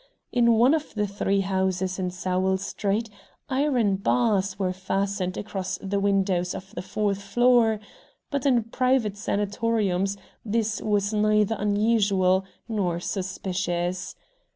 In one of the three houses in Sowell Street iron bars were fastened across the windows of the fourth floor, but in private sanatoriums this was neither unusual nor suspicious.